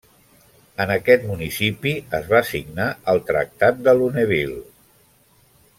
En aquest municipi es va signar el Tractat de Lunéville.